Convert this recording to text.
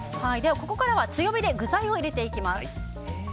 ここからは強火で具材を入れていきます。